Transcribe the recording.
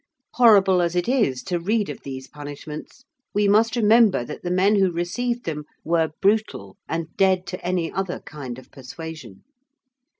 Horrible as it is to read of these punishments we must remember that the men who received them were brutal and dead to any other kind of persuasion.